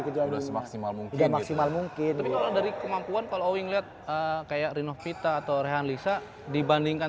kejadian maksimal mungkin dari kemampuan kalau ingat kayak rino vita atau rehan lisa dibandingkan